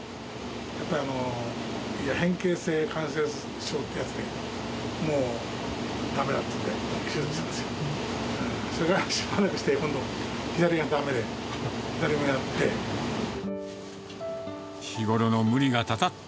やっぱり、変形性関節症ってやつで、もうだめだっていうんで、手術しました。